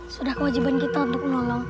sudah kewajiban kita untuk menolong